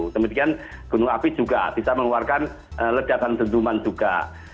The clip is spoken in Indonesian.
kemudian gunung api juga bisa mengeluarkan lejakan dentuman juga